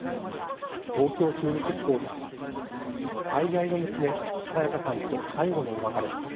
東京中日スポーツ最愛の娘沙也加さんと最後のお別れ。